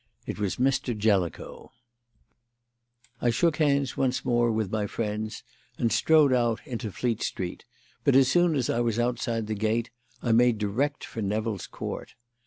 It was Mr. Jellicoe. I shook hands once more with my friends and strode out into Fleet Street, but as soon as I was outside the gate I made direct for Nevill's Court.